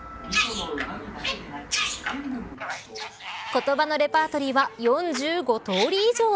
言葉のレパートリーは４５通り以上。